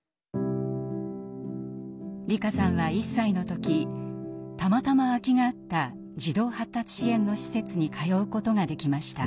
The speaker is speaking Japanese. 璃香さんは１歳の時たまたま空きがあった児童発達支援の施設に通うことができました。